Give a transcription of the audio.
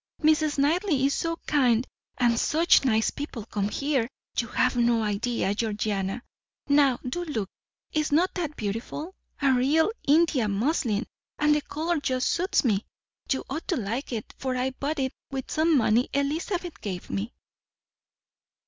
"Mrs. Knightley is so kind, and such nice people come here, you have no idea, Georgiana. Now, do look; is not that beautiful? A real India muslin, and the colour just suits me. You ought to like it, for I bought it with some money Elizabeth gave me."